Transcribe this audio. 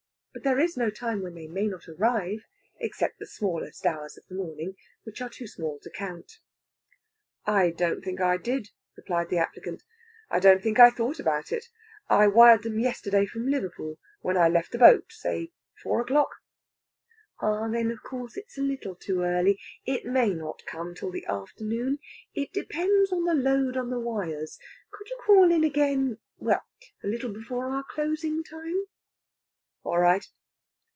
But there is no time when they may not arrive. Except the smallest hours of the morning, which are too small to count. "I don't think I did," replies the applicant. "I don't think I thought about it. I wired them yesterday from Liverpool, when I left the boat, say four o'clock." "Ah, then of course it's a little too early. It may not come till late in the afternoon. It depends on the load on the wires. Could you call in again well, a little before our closing time?" "All right."